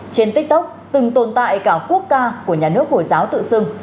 trên tiktok từng tồn tại cả quốc ca của nhà nước hồi giáo tự xưng